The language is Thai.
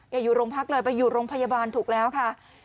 อยู่โรงพักเลยไปอยู่โรงพยาบาลถูกแล้วค่ะ